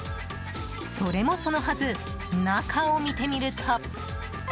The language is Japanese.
それもそのはず中を見てみると。